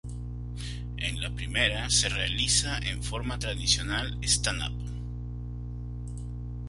En la primera, se realiza en forma tradicional stand-up.